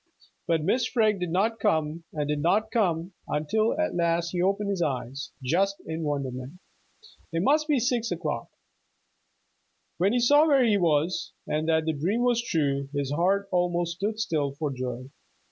But Mrs. Freg did not come and did not come, until at last he opened his eyes, just in wonderment. "It must be six o'clock!" When he saw where he was, and that the dream was true, his heart almost stood still for joy.